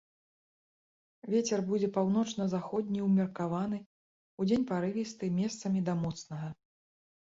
Вецер будзе паўночна-заходні ўмеркаваны, удзень парывісты, месцамі да моцнага.